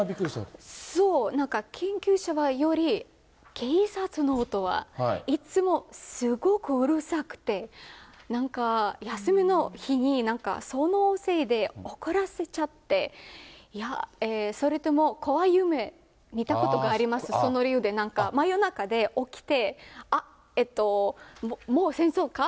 そう、なんか救急車は、より警察の音は、いつもすごくうるさくて、なんか、休みの日に、そのせいで、おこらせちゃって、それと怖い夢見たことがあります、その理由で、真夜中で、起きて、あっ、もう戦争か？